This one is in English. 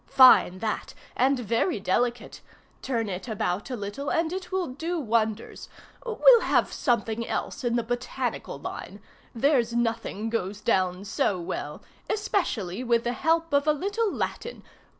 Fine that, and very delicate! Turn it about a little, and it will do wonders. We'll have some thing else in the botanical line. There's nothing goes down so well, especially with the help of a little Latin.